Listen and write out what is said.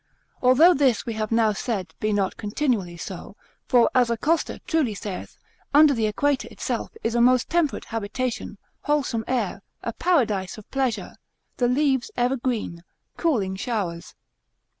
Although this we have now said be not continually so, for as Acosta truly saith, under the Equator itself, is a most temperate habitation, wholesome air, a paradise of pleasure: the leaves ever green, cooling showers.